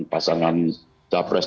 pasangan jawa fresh